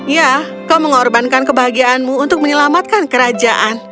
ya kau mengorbankan kebahagiaanmu untuk menyelamatkan kerajaan